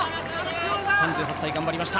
３８歳、頑張りました。